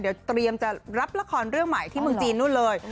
เดี๋ยวเตรียมจะรับละครเรื่องใหม่ที่เมืองจีนนู่นเลย